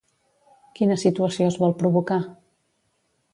Quina situació es vol provocar?